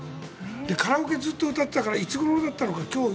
カラオケ、ずっと歌っていたからずっといつ頃だったのか。